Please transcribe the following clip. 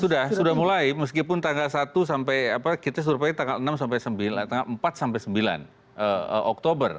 sudah sudah mulai meskipun tanggal satu sampai kita survei tanggal empat sampai sembilan oktober